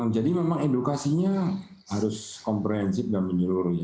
jadi memang edukasinya harus komprehensif dan menyeluruh